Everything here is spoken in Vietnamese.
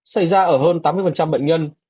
xảy ra ở hơn tám mươi bệnh nhân